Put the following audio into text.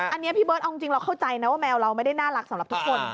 อันนี้พี่เบิร์ตเอาจริงเราเข้าใจนะว่าแมวเราไม่ได้น่ารักสำหรับทุกคน